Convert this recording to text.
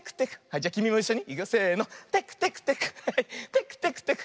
じゃきみもいっしょに。